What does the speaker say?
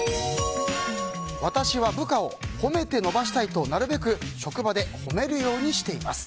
私は部下を褒めて伸ばしたいとなるべく職場で褒めるようにしています。